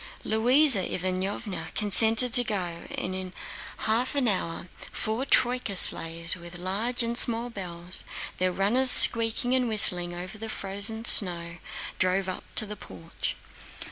Louisa Ivánovna consented to go, and in half an hour four troyka sleighs with large and small bells, their runners squeaking and whistling over the frozen snow, drove up to the porch.